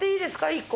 １個。